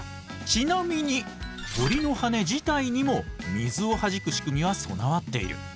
ちなみに鳥の羽自体にも水をはじく仕組みは備わっている。